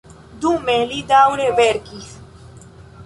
Dume li daŭre verkis.